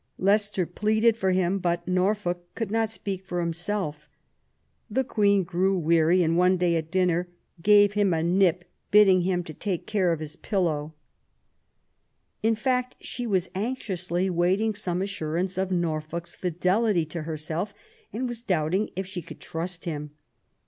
Leicester pleaded for him ; but Norfolk could not speak for himself. ii8 QUEEN ELIZABETH, The Queen grew weary, and one day, at dinner, " gave him a nip, bidding hini to take care of his pillow". In fact, she was anxiously waiting some assurance of Norfolk's fidelity to herself, and was doubting if she could trust him.